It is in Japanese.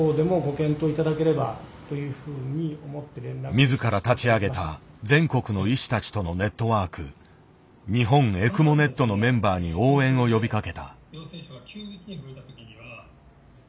自ら立ち上げた全国の医師たちとのネットワーク「日本ＥＣＭＯｎｅｔ」のメンバーに応援を呼びかけた。